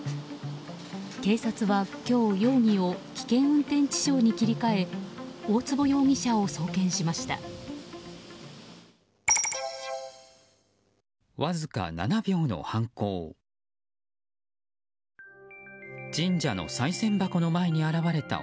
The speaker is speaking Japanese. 警察は今日、容疑を危険運転致傷に切り替え大坪容疑者を送検しました。